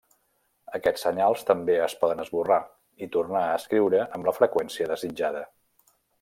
Aquests senyals també es poden esborrar i tornar a escriure amb la freqüència desitjada.